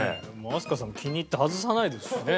飛鳥さん気に入って外さないですしね。